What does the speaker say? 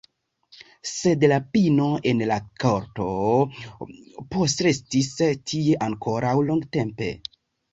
Sed la pino en la korto postrestis tie ankoraŭ longtempe.